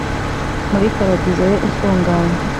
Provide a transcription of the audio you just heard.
muri paradizo ye ifunganye.